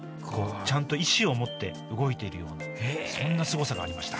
ちゃんと意志を持って動いているようなそんなすごさがありました。